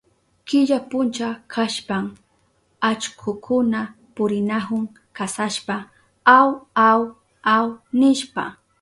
Killa puncha kashpan allkukuna purinahun kasashpa aw, aw, aw nishpa.